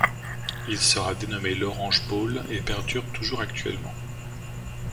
Il sera dénommé l'Orange Bowl et perdure toujours actuellement.